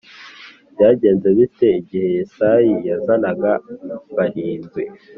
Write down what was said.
Byagenze bite igihe Yesayi yazanaga barindwi